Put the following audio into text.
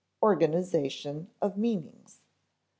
Organization of Meanings.